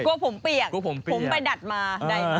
กลัวผมเปียกผมไปดัดมา